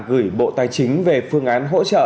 gửi bộ tài chính về phương án hỗ trợ